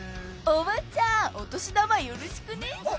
おばちゃんお年玉よろしくね。